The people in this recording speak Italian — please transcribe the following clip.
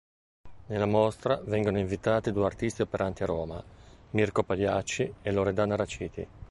Nella mostra vengono invitati due artisti operanti a Roma: Mirko Pagliacci e Loredana Raciti.